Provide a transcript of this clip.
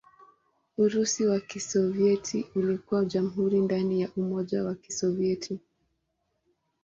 Urusi wa Kisovyeti ulikuwa jamhuri ndani ya Umoja wa Kisovyeti.